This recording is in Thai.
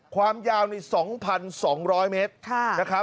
ความยาวนี้๒๒๐๐เมตร